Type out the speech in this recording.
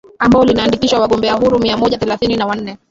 ambalo limeandikisha wagombea huru mia moja thelathini na wanne